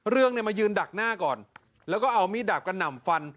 เรื่องเนี่ยมายืนดักหน้าก่อนแล้วก็เอามีดดาบกระหน่ำฟัน